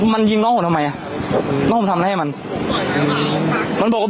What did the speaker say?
มันยิงน้องผมทำไมอ่ะน้องผมทำอะไรให้มันบอกว่า